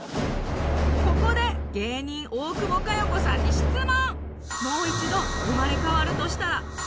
ここで芸人大久保佳代子さんに質問